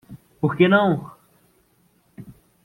Por quê não?